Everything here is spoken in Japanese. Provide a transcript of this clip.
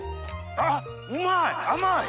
あっうまい！